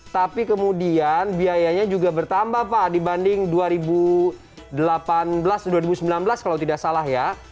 tapi kemudian biayanya juga bertambah pak dibanding dua ribu delapan belas dan dua ribu sembilan belas kalau tidak salah ya